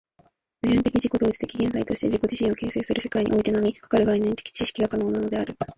矛盾的自己同一的現在として自己自身を形成する世界においてのみ、かかる概念的知識が可能なのである。